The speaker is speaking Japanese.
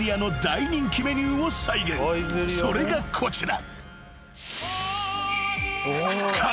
［それがこちら］